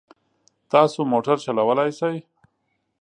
تاسو موټر چلولای شئ؟